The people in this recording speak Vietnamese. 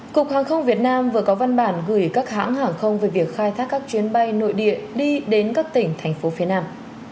cục hàng không việt nam vừa có văn bản gửi các hãng hàng không về việc khai thác các chuyến bay nội địa đi đến các tỉnh thành phố phía nam